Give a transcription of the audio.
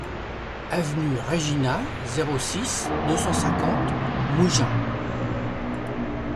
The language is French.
Avenue Regina, zéro six, deux cent cinquante Mougins